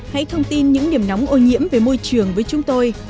hãy thông tin những điểm nóng ô nhiễm về môi trường với chúng tôi